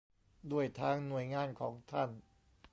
ด้วยทางหน่วยงานของท่าน